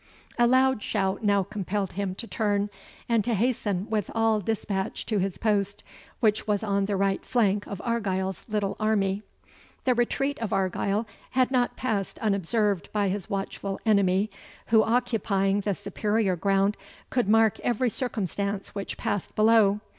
A loud shout now compelled him to turn, and to hasten with all dispatch to his post, which was on the right flank of Argyle's little army. The retreat of Argyle had not passed unobserved by his watchful enemy, who, occupying the superior ground, could mark every circumstance which passed below.